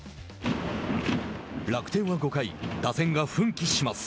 楽天は５回打線が奮起します。